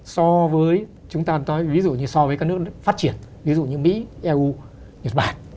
so với các nước phát triển ví dụ như mỹ eu nhật bản